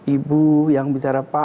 ibu yang bicara apa